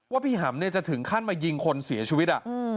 พี่หำจะถึงขั้นมายิงคนเสียชีวิต